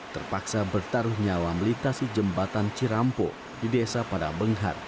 terpaksa bertaruh nyawa melintasi jembatan cirampo di desa pada benghar